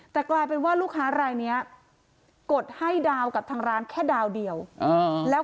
แต่กลายเป็นว่าลูกค้ารายนี้กดให้ดาวกับทางร้านแค่ดาวเดียวแล้ว